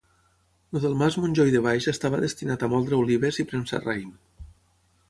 El del mas Montjoi de Baix estava destinat a moldre olives i premsar raïm.